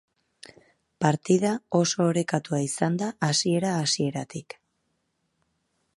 Partida oso parekatua izan da hasiera-hasieratik.